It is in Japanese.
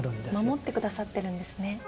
守ってくださってるんですね。